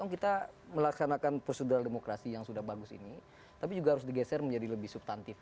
kita melaksanakan prosedural demokrasi yang sudah bagus ini tapi juga harus digeser menjadi lebih subtantif